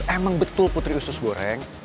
emang betul putri susgoreng